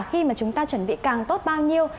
khi mà chúng ta chuẩn bị càng tốt bao nhiêu